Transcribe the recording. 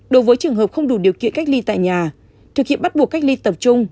đối với trường hợp không đủ điều kiện cách ly tại nhà thực hiện bắt buộc cách ly tập trung